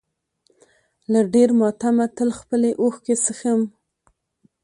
له ډېر ماتمه تل خپلې اوښکې څښم.